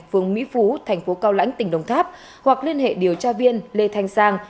phường mỹ phú thành phố cao lãnh tỉnh đồng tháp hoặc liên hệ điều tra viên lê thanh sang